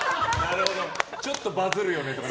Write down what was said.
ちょっとバズるよねとか。